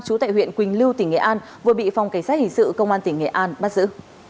trú tại huyện quỳnh lưu tỉnh nghệ an vừa bị phòng cảnh sát hình sự công an tỉnh nghệ an bắt giữ